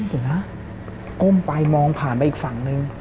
เห็นไหมก้มไปมองผ่านไปอีกฝั่งนึง